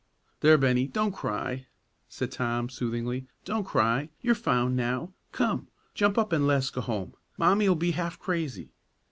"There, Bennie, don't cry!" said Tom, soothingly; "don't cry! You're found now. Come, jump up an' le's go home; Mommie'll be half crazy."